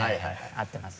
合ってます。